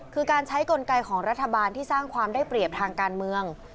คือการใช้กลไกของรัฐบาลที่สร้างความได้เปรียบทางการเมือง